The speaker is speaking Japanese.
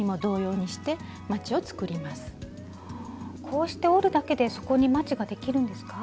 こうして折るだけで底にまちができるんですか？